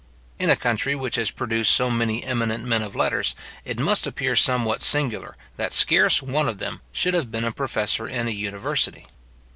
In a country which has produced so many eminent men of letters, it must appear somewhat singular, that scarce one of them should have been a professor in a university.